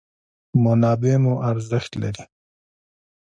منابع مو ارزښت لري.